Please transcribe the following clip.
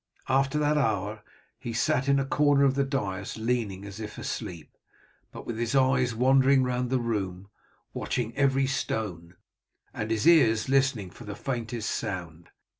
After that hour he sat in a corner of the dais, leaning as if asleep, but with his eyes wandering round the room watching every stone, and his ears listening for the faintest sound.